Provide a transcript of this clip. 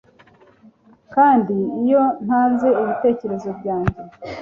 Kandi iyo ntanze ibitekerezo byanjye